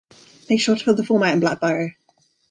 Make sure to fill the form out in black biro.